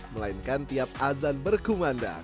melainkan tiap azan berkumandang